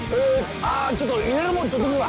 ああちょっと入れるもの取ってくるわ。